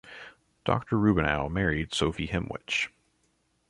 Doctor Rubinow married Sophie Himwich.